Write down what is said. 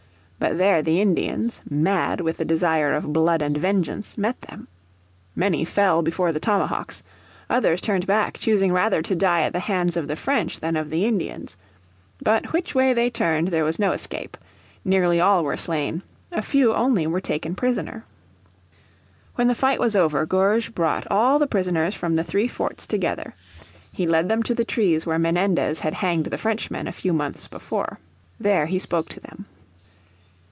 But there the Indians, mad with the desire of blood and vengeance, met them. Many fell before the tomahawks; others turned back choosing rather to die at the hands of the French than of the Indians. But which way they turned there was no escape. Nearly all were slain, a few only were taken prisoner. When the fight was over Gourges brought all the prisoners from the three forts together. He led them to the trees where Menendez had hanged the Frenchmen a few months before. There he spoke to them.